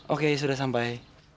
oke sudah sampai